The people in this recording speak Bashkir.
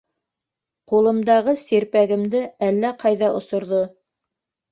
Ҡулымдағы сирпәгемде әллә ҡайҙа осорҙо.